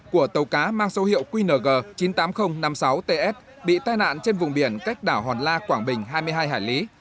của tàu cá mang số hiệu qng chín mươi tám nghìn năm mươi sáu ts bị tai nạn trên vùng biển cách đảo hòn la quảng bình hai mươi hai hải lý